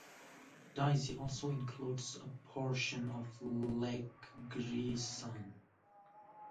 Daisy also includes a portion of Lake Greeson.